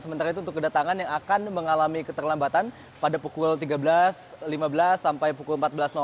sementara itu untuk kedatangan yang akan mengalami keterlambatan pada pukul tiga belas lima belas sampai pukul empat belas